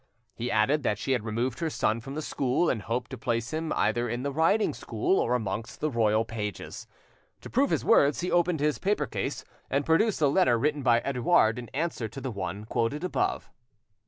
He added that she had removed her son from the school, and hoped to place him either in the riding school or amongst the royal pages. To prove his words, he opened his paper case, and produced the letter written by Edouard in answer to the one quoted above.